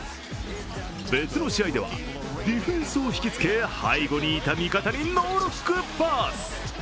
別の試合ではディフェンスを引きつけ背後にいた味方にノールックパス。